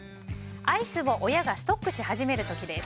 アイスを親がストックし始める時です。